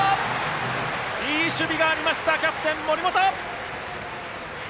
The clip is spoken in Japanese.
いい守備がありましたキャプテン、森本！